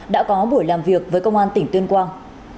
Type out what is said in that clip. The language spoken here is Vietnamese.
đã có buổi làm việc với công an tỉnh tuyên quang